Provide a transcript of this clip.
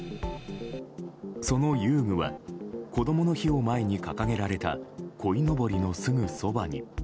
その遊具はこどもの日を前に掲げられたこいのぼりのすぐそばに。